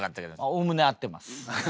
おおむね合ってます。